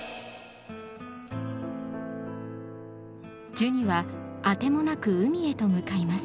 ジュニは当てもなく海へと向かいます。